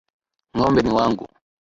Ngo`mbe ni wangu.